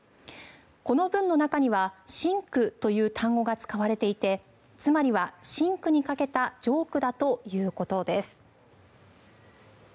この文の中には「シンク」という単語が使われていてつまりはシンクにかけたジョークだということです。